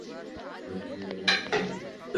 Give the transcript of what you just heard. হ্যাঁ, তুই আজ আমার সাথে যাবি?